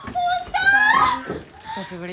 久しぶり。